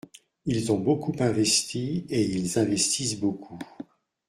Ils ont beaucoup investi et ils investissent beaucoup.